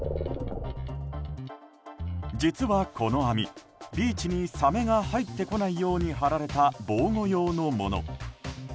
実はこの網、ビーチにサメが入ってこないように張られた防護用のもの。